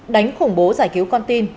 đánh khủng bố giải cứu con tin